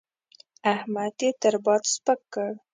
احمد يې تر باد سپک کړ.